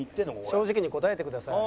正直に答えてください。